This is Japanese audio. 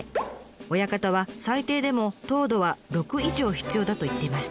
親方は最低でも糖度は６以上必要だと言っていました。